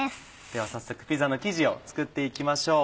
では早速ピザの生地を作って行きましょう。